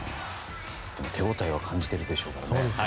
手応えは感じてるでしょうね。